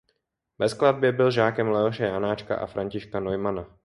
Ve skladbě byl žákem Leoše Janáčka a Františka Neumanna.